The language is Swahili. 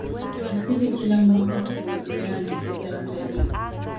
asili kila mwaka Kwa kukabiliana na sekta ya utalii